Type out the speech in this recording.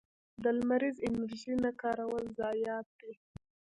د لمریزې انرژۍ نه کارول ضایعات دي.